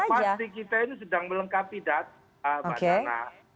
karena kita sedang melengkapi data pak zana